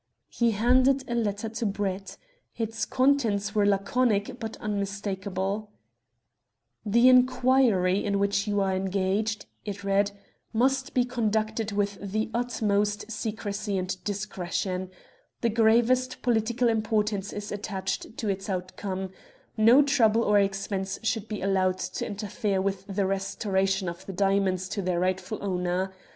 He handed a letter to Brett. Its contents were laconic, but unmistakable "The inquiry in which you are engaged," it read, "must be conducted with the utmost secrecy and discretion. The gravest political importance is attached to its outcome. No trouble or expense should be allowed to interfere with the restoration of the diamonds to their rightful owner.